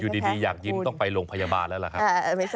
อยู่ดีอยากยิ้มต้องไปโรงพยาบาลแล้วล่ะค่ะ